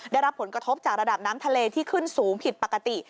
ได้รับผลกระทบจากระดับน้ำทะเลที่ขึ้นสูงผิดปกติ